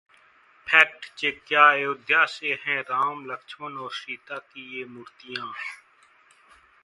Fact check: क्या अयोध्या से हैं राम, लक्ष्मण और सीता की ये मूर्तियां?